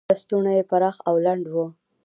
لستوڼي یې پراخ او لنډ و.